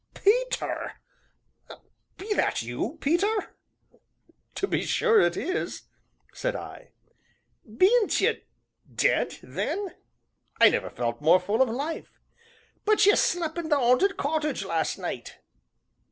"Peter be that you, Peter?" "To be sure it is," said I. "Bean't ye dead, then?" "I never felt more full of life." "But ye slep' in th' 'aunted cottage last night."